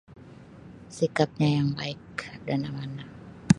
Sikapnya yang baik dan amanah.